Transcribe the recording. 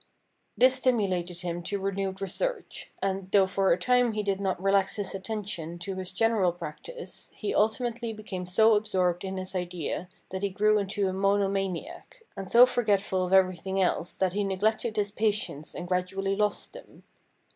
This stimulated him to renewed research, and, though for a time he did not relax his attention to his general practice, he ultimately became so absorbed in his idea that he grew into a mono maniac, and so forgetful of everything else, that he neglected his patients and gradually lost them.